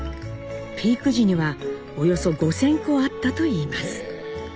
ピーク時にはおよそ５，０００戸あったといいます。